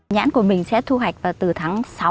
nhãn của mình sẽ thu hoạch từ tháng sáu